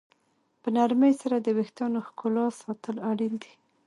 په نرمۍ سره د ویښتانو ښکلا ساتل اړین دي.